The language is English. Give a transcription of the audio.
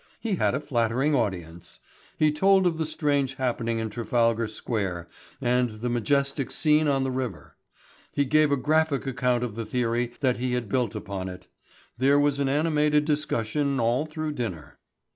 He had a flattering audience. He told of the strange happening in Trafalgar Square and the majestic scene on the river. He gave a graphic account of the theory that he had built upon it. There was an animated discussion all through dinner.